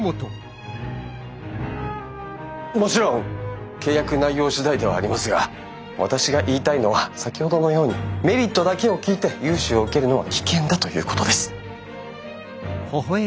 もちろん契約内容次第ではありますが私が言いたいのは先ほどのようにメリットだけを聞いて融資を受けるのは危険だということです！